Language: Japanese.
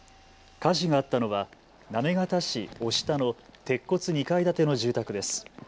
火事があったのは行方市於下の鉄骨２階建ての住宅です。